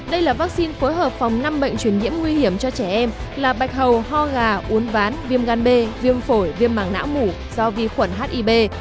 đây là vaccine phối hợp phòng năm bệnh truyền nhiễm nguy hiểm cho trẻ em là bạch hầu ho gà uốn ván viêm gan b viêm phổi viêm mảng não mủ do vi khuẩn hib